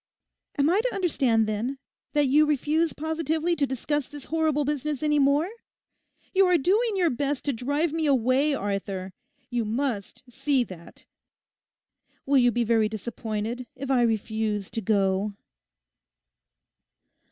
'Am I to understand, then, that you refuse positively to discuss this horrible business any more? You are doing your best to drive me away, Arthur; you must see that. Will you be very disappointed if I refuse to go?